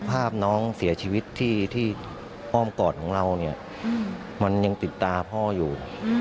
ภาพน้องเสียชีวิตที่อ้อมกอดของเราเนี่ยมันยังติดตาพ่ออยู่